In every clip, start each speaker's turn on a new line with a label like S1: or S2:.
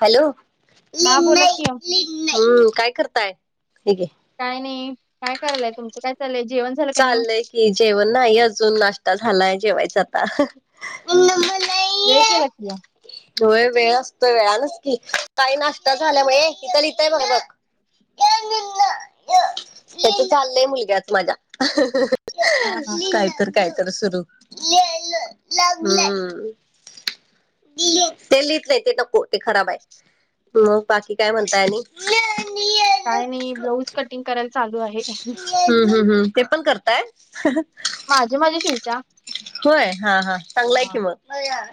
S1: Hello
S2: हा बोला की
S1: काय करताय हेे घे
S2: काय नाही काय करायलय तुमचं काय चाललंय जेवण झालं का नाही
S1: चालय कि जेवण नाही अजून नाश्ता झालाय जेवायचा आता
S2: वेळ केलाकीया
S1: होय वेळ असतोय वेळानच कि काही नाश्ता झाल्यामुळे तिथ लिहिताय बग बग तेचं चाललंय मुलग्याच माझ्या
S2: हा हा
S1: काय तर काहीतरं सुरू हम्म ते लित नाही ते नको ते खराब हाय मग बाकी काय म्हणताय आणि
S2: काय नाही ब्लाऊज कटिंग करायला चालू आहे
S1: हम्म हम्म हम्म ते पण करताय
S2: माझे माझे शिवत्या
S1: होय हा हा चांगलाय
S2: हा
S1: कि मग तयार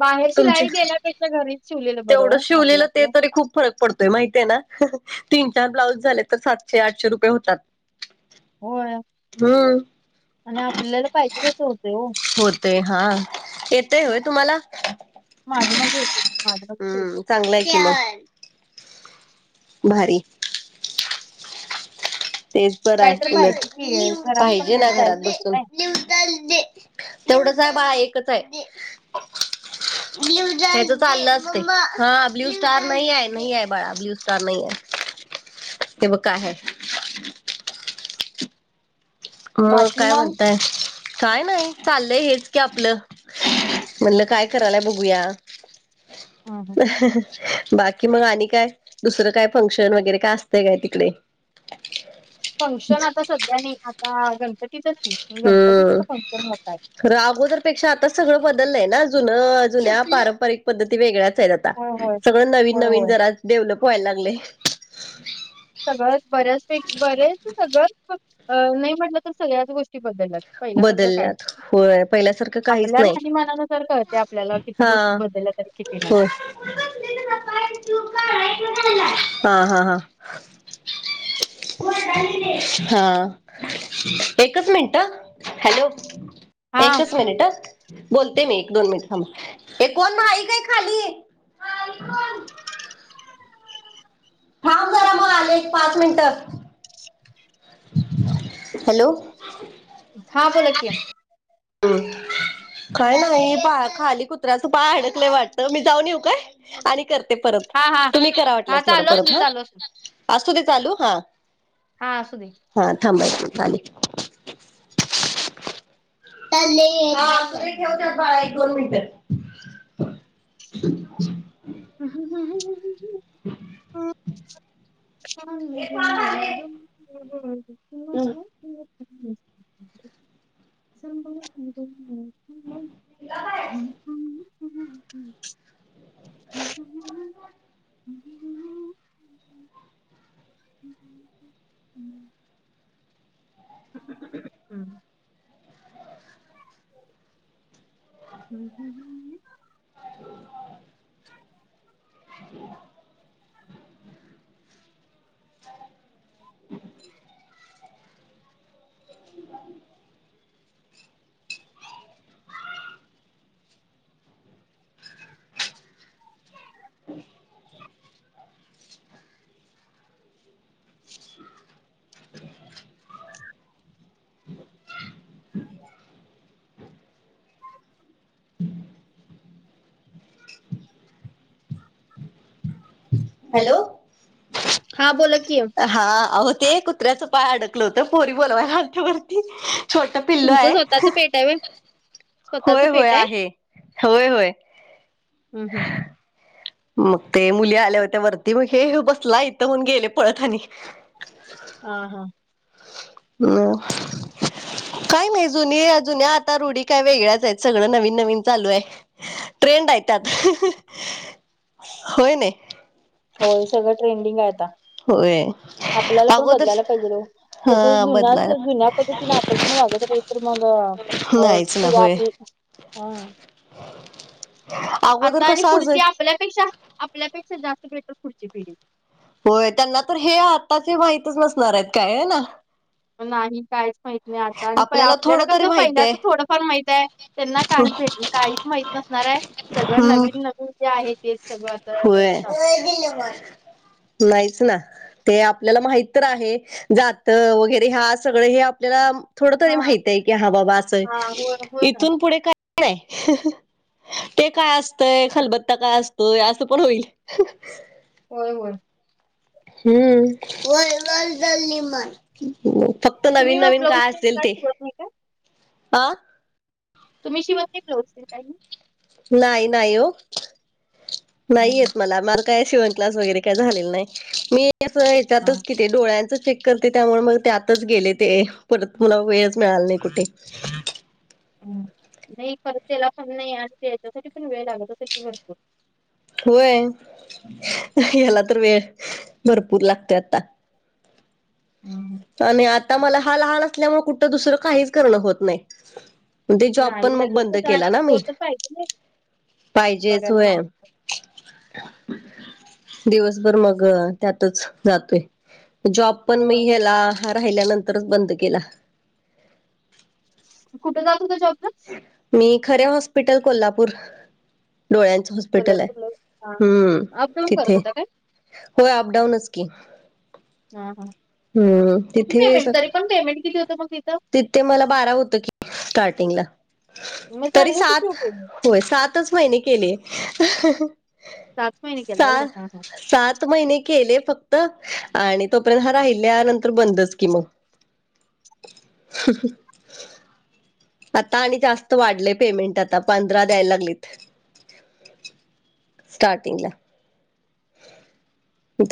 S2: बाहेर शिलाई देण्यापेक्षा घरीच शिवलेलं बरं
S1: तेवढं
S2: हो आपलं
S1: शिवलेलं ते
S2: आपलं
S1: तरी खूप फरक पडतोय माहती आहे ना तीन चार ब्लाऊज झाले तर सातशे आठशे रुपये होतात
S2: होय
S1: हम
S2: आणि आपल्याला पाहिजेच तस होते हो
S1: होते हा येतय होय तुम्हाला
S2: माझं माझं येतंय
S1: हम्म चांगलं आहे कि मग भारी तेच बरं
S2: काहीतरी
S1: आहे उलट,
S2: पाहिजे की घरात पण
S1: पाहिजे
S2: वेळ
S1: ना
S2: जायला
S1: घरात
S2: पाहिजे
S1: बसून.
S2: नाही
S1: तेवढंचाय बाळा, एकच हाय. ब्ल्यू हे तर चाललं असतय हा ब्ल्यू स्टार नाही आहे नई हाय बाळा, ब्ल्यू स्टार नई हाय.
S2: [inaudible]
S1: ते ब काय हाय. मग काय म्हणताय? काय नई चाललंय हेच की आपलं. म्हणलं काय करालाय बघूया.
S2: हं हं
S1: बाकी कि मग आणि काय, दुसरं काय फंक्शन वगैरे काय असतंय काय तिकडे?
S2: फंक्शन आता सध्या नई, आता गणपतीचच की गणपतीच फंक्शन होतय.
S1: अगोदर प पेक्षा आता सगळं बदलय ना, जुनं जुन्या पारंपरिक पद्धती वेगळ्या च आहेत आता.
S2: होय होय
S1: सगळ नवीन
S2: होय
S1: नवीन
S2: होय
S1: जरा डेव्हलप व्हाय लागलय.
S2: सगळंच बऱ्याच पैकी बरेच सगळंच [unintelligible] नाही म्हटलं तर सगळ्याच गोष्टी बद्दलल्यात. पहिल्यासारखं काय,
S1: बदलल्यात होय पहिल्यासारखं काहीच
S2: आपल्या
S1: नाही
S2: राहणीमानानुसार कळतंय आपल्याला किती गोष्टी
S1: हा
S2: बदलल्या तरी किती नाही.
S1: होय हा हा हा. हा एकच मिनटं अ. हॅलो!
S2: हा
S1: एकच मिनिट अ. बोलते मी एक दोन मिनिट थांबा, हे कोण नाय काय खाली? थांब जरा मग आले एक पाच मिनिटात. हॅलो!
S2: हा बोला की.
S1: [unintelligible] काय नाही, पाया खाली कुत्र्याचं पाय अडकलंय वाटतं, मी जाऊन येऊ काय? आणि कर ते परत,
S2: हा हा
S1: तुम्ही करा
S2: हा
S1: वाटल्यास मला
S2: चालू असू
S1: परत
S2: दे
S1: ह,
S2: चालू असू दे
S1: असूदे चालू हा.
S2: हा असूदे.
S1: हा थांबायचं चाले. हा [unintelligible] ठेवते बाळा एक दोन मिनिटं. [unintelligible]
S2: [unintelligible] [unintelligible]
S1: ह.
S2: [unintelligible] मग [unintelligible] [unintelligible] [unintelligible] हू. हम् हम् ह् [inaudible]
S1: ह [inaudible]
S2: हम् [inaudible] [inaudible]
S1: हॅलो.
S2: हा बोला की
S1: हा आहो ते कुत्र्याचं पाय अडकलं होतं, पोरी बोलवायला आलत्या वरती. छोटं पिल्लू
S2: तुमचं
S1: हाय.
S2: स्वतःच पेट आहे व्हय स्वतःच पेट आहे.
S1: होय होय
S2: हू हू.
S1: मग ते मुली आल्या होत्या वरती, मग हे ह्यो बसलाय इथं म्हणून गेले पळत आणि
S2: हा हा.
S1: म. काय नाही, जुनी जुन्या आता रुढी काय वेगळ्याच आहेत, सगळं नवीन नवीन चालू हाय. ट्रेंड आहे त्यात होय नाही.
S2: होय सगळं ट्रेंडिंग आहे आता
S1: होय
S2: आपल्याला पण
S1: अगोदर
S2: बदलायला पाहिजे ओ. तसच
S1: हा
S2: जुन्याच
S1: बदलाय
S2: जुन्या पद्धतीने आपण पण वागत राहील तर मग अ
S1: नाहीच ना
S2: पुढ
S1: होय
S2: आपली हम.
S1: [inaudible]
S2: आता आणि
S1: कसं
S2: पुढची
S1: असेल
S2: आपल्यापेक्षा आपल्यापेक्षा जास्त भेटल पुढची पिढी.
S1: होय त्यांना तर हे आताची माहतीच नसणार आहेत काय हे ना.
S2: नाही कायच माहत नाही आज आणि आपल्याला
S1: थोडं तरी
S2: कसं पहिल्या
S1: माहिती आहे.
S2: असं थोडंफार माहित आहे त्यांना काही भेट काहीच माहित नसत. असणार आहे सगळं
S1: हम्म.
S2: नवीन नवीन जे आहे तेच सगळं आता
S1: हो
S2: चालू
S1: दिल मग. नाहीच ना ते आपल्याला माहित तर आहे जात वगैरे ह्या सगळं हे आप आपल्याला थोड तरी
S2: हा
S1: माहितय की हा बाबा असंय
S2: हां. होय, होय ना.
S1: इथून पुढे काहीच नाय. ते काय असतय खलबत्ता काय असतोय असं पण होईल.
S2: होय होय.
S1: [unintelligible] फक्त
S2: तुम्ही
S1: नवीन
S2: मग
S1: नवीन
S2: ब्लाऊज
S1: काय
S2: तेन
S1: असेल ते
S2: शिवत नाही का?
S1: अ
S2: तुम्ही शिवत नाही ब्लाउजच काही?
S1: नाही नाही हो नाही
S2: हं,
S1: येत मला मा काय शिवण क्लास वगैरे काय झालेल नाही मी
S2: हां.
S1: त्यातच ते डोळ्यांचं चेक करते त्यामुळे मग ते आतच गेले ते परत मला वेळच मिळाल नाही कुठे [unintelligible]
S2: हम नाही खर त्यालापण नाही असते याच्यासाठी पण वेळ लागत असेल की भरतो.
S1: होय. ह्याला तर वेळ भरपूर लागतोय आता.
S2: हं, हं.
S1: आणि आता मला हा लहान असल्यामुळे कुठं दुसरं काहीच करणं होत नाही. ते जॉब पण
S2: नाही
S1: मग बंद
S2: लगेचच
S1: केला
S2: आणि
S1: ना मी
S2: कोणतर पाहिजे नाही
S1: पाहिजेच
S2: बघायला
S1: होय.
S2: माणसं.
S1: दिवसभर मग त्यातच जातोय. जॉब पण म
S2: होय.
S1: ह्याला राहिल्यानंतरच बंद केला.
S2: कुठे जात होता जॉबवर
S1: मी खरे हॉस्पिटल कोल्हापूर. डोळ्यांचं हॉस्पिटल आहे
S2: कोल्हापूरला. हां, हां.
S1: हम्म
S2: अपडाऊन करत
S1: तिथे.
S2: होता काय?
S1: होय अप डाऊनच की.
S2: हा हा
S1: हम्म
S2: किती
S1: तिथे
S2: पेमेंट तरी पण पेमेंट किती होतं मग ती
S1: तिथे मला बारा होत की स्टार्टिंगला
S2: मग
S1: तरी
S2: चांगलं होतं की ओ
S1: सात
S2: पेमेंट.
S1: होय सातच महिने केले स
S2: महिने केला व्हय?
S1: सात
S2: हां, हां.
S1: सात महिने केले फक्त आणि तोपर्यंत हा राहिल्या नंतर बंदच की मग [inaudible] आता आणि जास्त वाढलेय पेमेंट आता पंधरा द्यायला लागलेत स्टार्टिंगला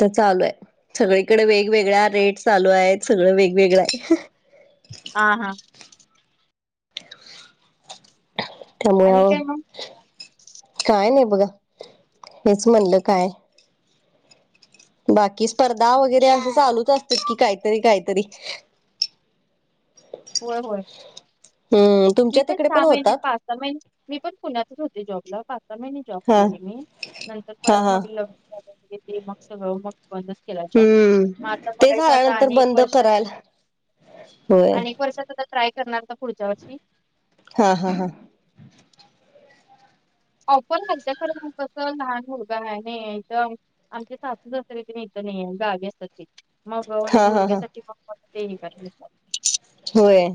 S1: तस चालू आहे सगळीकडे वेगवेगळ्या रेट चालू आहेत सगळं वेगवेगळं आहे.
S2: हा हा.
S1: त्यामुळे
S2: आणि काय मग?
S1: काय नाही बघा हेच म्हणलं काय. बाकी स्पर्धा वगैरे असं चालूच असत कि काहीतरी काहीतरी.
S2: होय होय
S1: हम्म
S2: मी
S1: तुमच्या
S2: पण
S1: तिकडे
S2: सहा महिने
S1: होतात
S2: पाच सहा महिने मी पण पुण्यातच होते जॉबला पाच महिने जॉब
S1: हा
S2: केले मी नंतर
S1: हा
S2: परत
S1: हा
S2: मग ल मक्ष म [unintelligible]
S1: हम्म ते झाल्यानंतर
S2: अनेक
S1: बंद
S2: वर्षात
S1: कराल.
S2: अनेक वर्षात त आता ट्राय करणार ना पुढच्या वर्षी
S1: हा हा हा
S2: ऑफर वयचं खरं म कसं लहान मुलगा आहे ना एकदम आमचे सासूच असते ते न तर नाहीे गागे असतात ते मग
S1: हा हा हा
S2: मुलग्यासाठीठी म तेही कराय
S1: होय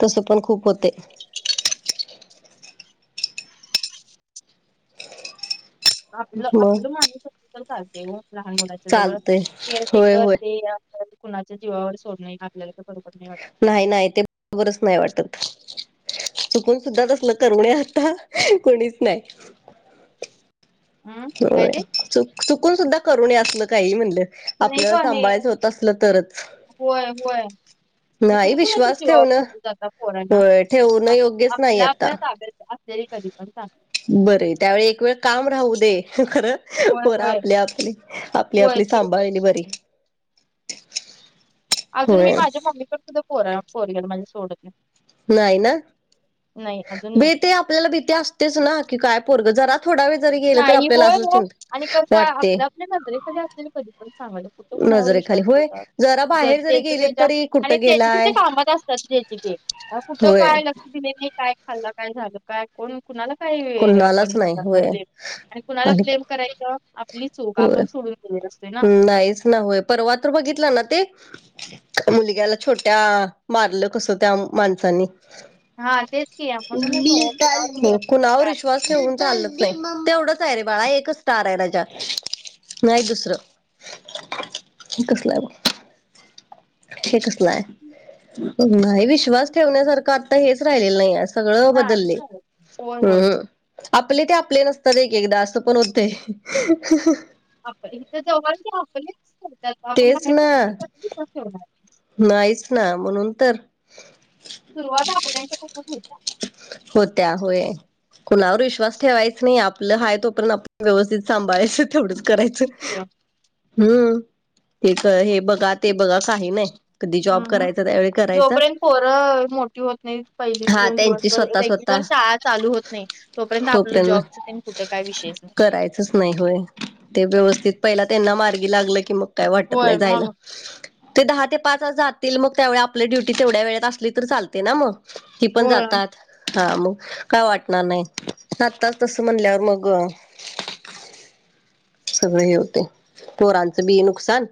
S1: तस पण खूप होते
S2: [unintelligible] आपलं
S1: मग
S2: आपलं माणूस असत तर चालते लहान मुलाच्या जवळ
S1: चालतय
S2: केअर
S1: होय होय
S2: टेकते. कुणाच्या जीवावर सोड नाही. आपल्याला बरोबर नाही वाटत.
S1: नाही नाही ते बरोबरच नाही वाटत चुकून सुद्धा तसल करुणे आता कोणीच नाही.
S2: हम्म काय
S1: होय
S2: ते
S1: च चुकून सुद्धा करून न असलं काही म्हणलं
S2: नाही ग
S1: आपल्याला
S2: हे
S1: सांभाळायचं होत. असलं तरच
S2: होय होय
S1: नाही
S2: कुणाच्या
S1: विश्वास
S2: जीवावर
S1: ठेवणं
S2: सोडून जातात. पोरांना
S1: होय ठेवणं योग्यच नाही
S2: आपल्या
S1: आता
S2: आपल्या ताब्यात तरी कधी पण
S1: बरं त्यावेळी एक वेळ काम राहू दे खरं
S2: होय
S1: बरं
S2: होय
S1: आपले आपले आपली आपली सांभाळणी बरी
S2: ह अजून मी
S1: होय
S2: माझ्या मम्मीकडे सुद्धा पोरा पोरीला मी सोडत नाही.
S1: नाही ना
S2: नाही अजून नाही
S1: भीती आपल्याला भीती असतेच ना की काय पोरगजरात थोडा वेळ जरी गेलं तर
S2: नाही
S1: आपल्याला
S2: होय
S1: असं
S2: हो आणि
S1: चिंता
S2: कसं
S1: वाटते.
S2: आपल्या नजरेखाली असलेली आपल्याला कधी पण सांगलं. कुठ कुणावर विश्वास
S1: नजरेखाली होय
S2: ठेवत.
S1: जरा
S2: जर
S1: बाहेर जरी
S2: त्याच
S1: गेले
S2: त्याच्या
S1: तरी
S2: आणि
S1: कुठं
S2: त्याचे
S1: गेलाय
S2: त्यांच्या कामात असतात. जची ग कुठं
S1: होय
S2: काय लक्ष दिले नाही. काय खाल्लं काय झालं काय कोण कुणाला काही आपण
S1: कुणालाच
S2: हे
S1: नाही
S2: करणार
S1: होय
S2: आणि कुणाला ब्लेम करायच्यां आपली चूक
S1: होय
S2: आपण सोडून गेलेली असते. ना
S1: नाहीच नावे परवा तर बघितला ना ते? मुलग्याला छोट्या मारलं कसं त्या माणसानी
S2: हातेच की म्हणूनच कुणावर विश्वास ठेवण्यात
S1: कुणावर
S2: काय
S1: विश्वास
S2: अर्थ
S1: ठेवून चाललच नाही तेवढच आहे. रे बाळा एकच स्टार आहे. राजा नाही दुसरं हे कसलं आहे. ब हे कसलंय नाही विश्वास ठेवण्यासारखं आता हेच राहिलेलं नाही. आहे सगळं
S2: नाही नाही
S1: बदलले
S2: चालत होय
S1: हम्
S2: होय
S1: हम आपले ते आपले नसतात. एक एकदा असं पण होत.
S2: आप इथे जवळ क आपलेच
S1: तेच ना
S2: ह
S1: नाहीच ना म्हणून तर
S2: सुरुवात आपल्याच्या होत.
S1: होत्या होय कुणावर विश्वास ठेवायच नाही. आपलं हा तोपर्यंत आपण व्यवस्थित सांभाळायचं तेवढच करायचं
S2: की
S1: हम् ते हे बघा ते बघा काही नाही कधी जॉब करायचा त्यावेळी करायचा
S2: फोरं मोठी होत नाही पहिली
S1: हा
S2: दोन
S1: त्यांची
S2: दिवस
S1: स्वतः
S2: रेग्युलर
S1: स्वतः
S2: शाळा चालू होत नाही. तोपर्यंत आपलं जॉबच त्यांनी कुठं काय विशेष नाही.
S1: च नाही होय ते व्यवस्थित पहिला त्यांना मार्गी लागलं की मग काय वाटत
S2: होय
S1: नाही जायला.
S2: मग
S1: ते दहा ते पाचज जातील. मग त्यावे आपली ड्युटी तेवढ्या वेळात असली तर चालते. ना मग ती पण
S2: होय
S1: जात. हा मग का वाटणार नाय आत्ताच तसं म्हणल्यावर मग
S2: [unintelligible]
S1: सगळ हे होतय पोरांचं बी नुकसान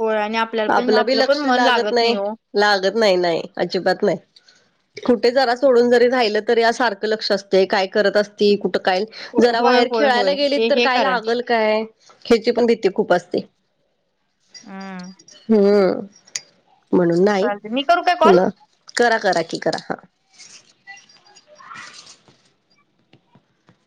S2: होय आणि आपल्याला पण
S1: बी
S2: आपलं पण
S1: लक्ष
S2: मन लागत नाय
S1: नाही
S2: ओ
S1: लागत नाय नाय अजिबात नाय. कुठे जरा सोडून जरी राहिलं तरी या सारखं लक्ष असतय काय करत अस की कुठ काय
S2: होय
S1: जरा
S2: होय
S1: बाहेर
S2: होय
S1: खेळायला
S2: होय.
S1: गेलीत
S2: हे
S1: तर
S2: हे
S1: काय
S2: खरंय.
S1: लागल काय हेची पण भीती खूप असते.
S2: आ
S1: हम्म म्हणून नाही
S2: चालते मी करू काय कॉल?
S1: कुन करा करा की करा हा